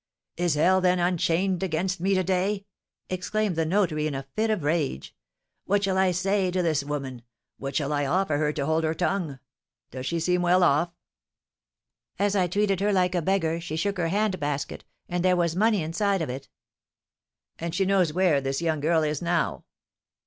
"Is hell, then, unchained against me to day?" exclaimed the notary, in a fit of rage. "What shall I say to this woman? What shall I offer her to hold her tongue? Does she seem well off?" "As I treated her like a beggar, she shook her hand basket, and there was money inside of it." "And she knows where this young girl is now?"